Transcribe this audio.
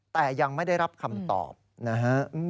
แต่ยังไม่ได้รับคำตอบนะฮะ